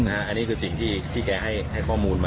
อันนี้คือสิ่งที่แกให้ข้อมูลมา